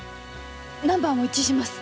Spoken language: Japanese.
ナンバーも一致します。